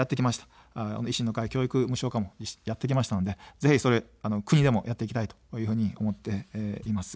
維新の会、教育無償化もやってきたので、ぜひ国でもやっていきたいと思っています。